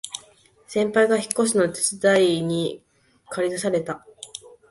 先輩が引っ越すので手伝いにかり出された